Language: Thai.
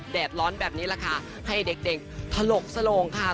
แดดร้อนแบบนี้แหละค่ะให้เด็กถลกสลงค่ะ